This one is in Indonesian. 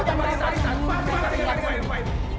pak supri yang lebih tahu pak